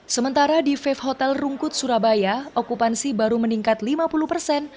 sementara di vape hotel rungkut surabaya okupansi baru meningkat lima puluh persen